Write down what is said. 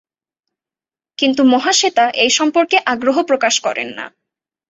কিন্তু মহাশ্বেতা এই সম্পর্কে আগ্রহ প্রকাশ করেন না।